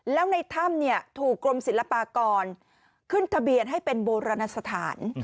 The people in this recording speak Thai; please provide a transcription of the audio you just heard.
แล้วในถ้ำถูกกรมศิลปากรขึ้นทะเบียนให้เป็นโบราณสถาน